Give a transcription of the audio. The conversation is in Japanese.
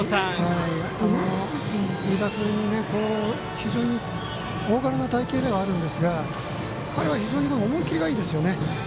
飯田君、非常に大柄な体形ではあるんですが彼は非常に思い切りがいいですよね。